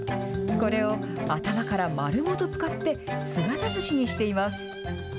これを頭から丸ごと使って姿ずしにしています。